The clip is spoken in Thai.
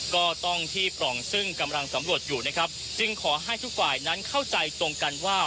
ก็ต้องที่ปล่องซึ่งกำลังสำรวจอยู่นะครับจึงขอให้ทุกฝ่ายนั้นเข้าใจตรงกันว่า